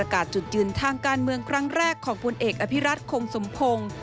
จุดยืนทางการเมืองครั้งแรกของพลเอกอภิรัตคงสมพงศ์